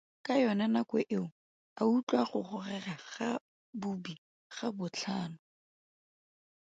Ka yona nako eo, a utlwa go gogega ga bobi ga botlhano.